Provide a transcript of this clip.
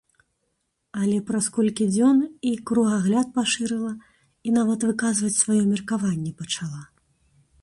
Але праз колькі дзён і кругагляд пашырыла, і нават выказваць сваё меркаванне пачала.